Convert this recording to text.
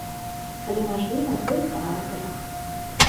Калі мажліва, то і па аўтарах.